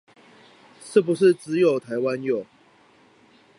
是不是只有台灣有